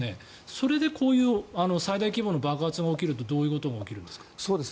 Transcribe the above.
それでこういう最大規模の爆発が起きるとどういうことが起きるんですか？